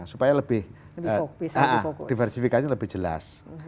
supaya lebih diversifikasinya lebih jelas